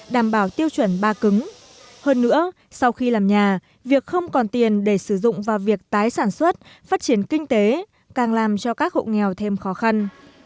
đảm bảo tiêu chuẩn ba cứng hơn nữa sau khi làm nhà việc không còn tiền để sử dụng vào việc tái sản xuất phát triển kinh tế càng làm cho các hộ nghèo thêm khó khăn